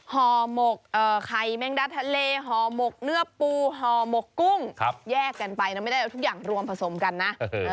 ห่อหมกไข่แมงดาทะเลห่อหมกเนื้อปูห่อหมกกุ้งแยกกันไปนะไม่ได้เอาทุกอย่างรวมผสมกันนะ